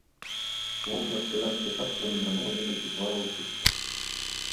У вокнах сялянскіх хат прамільгнула некалькі твараў у хустках.